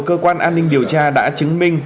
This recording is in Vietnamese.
cơ quan an ninh điều tra đã chứng minh